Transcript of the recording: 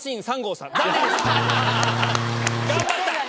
頑張った！